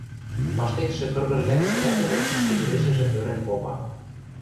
Паштекшӹ кыргыж лӓкшӹ вӓтӹжӹ ӹшкедурешӹжӹ ӧрӹн попа: